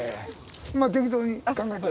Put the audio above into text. ま適当に考えて。